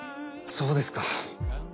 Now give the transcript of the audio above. そうですか。